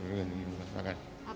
apa baiknya menurut bapak